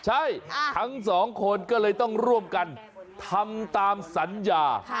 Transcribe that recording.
ใช่ทั้งสองคนก็เลยต้องร่วมกันทำตามสัญญา